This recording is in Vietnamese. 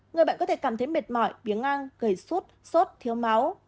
người bệnh có thể cảm thấy mệt mỏi biếng ngang gầy sốt sốt thiếu máu